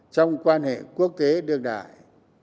trong quan hệ quốc tế đương đại